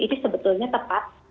ini sebetulnya tepat